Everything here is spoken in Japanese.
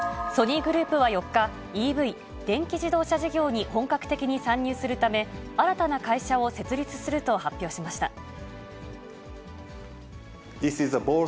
ソニーグループは４日、ＥＶ・電気自動車事業に本格的に参入するため、新たな会社を設立すると発表しました。